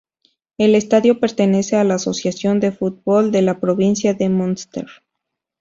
El estadio pertenece a la Asociación de Fútbol de la provincia de Munster.